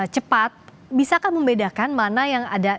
cepat bisa kan membedakan mana yang ada